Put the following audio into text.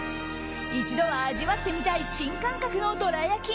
一度は味わってみたい新感覚のどら焼き